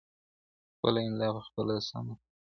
خپله املا پخپله سمه کړه.